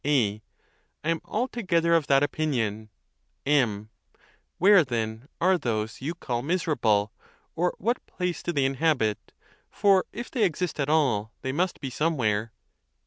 A. I am altogether of that opinion. M. Where, then, are those you call miserable? or what place do they inhabit? For, if they exist at all, they must be somewhere.